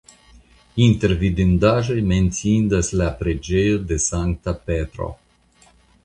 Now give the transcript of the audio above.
Inter vidindaĵoj menciindas la preĝejo de Sankta Petro.